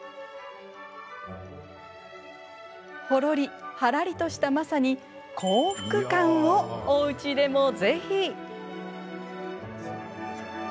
ほろり、はらりとしたまさに口福感をおうちでも、ぜひ。